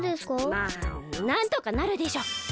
まあなんとかなるでしょ。